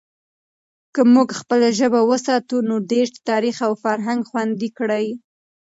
که موږ خپله ژبه وساتو، نو دیرش تاریخ او فرهنگ خوندي کړي.